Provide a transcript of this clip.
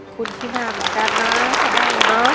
คุณที่น่าขอโอกาสน้ำขอบคุณค่ะ